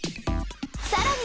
さらに！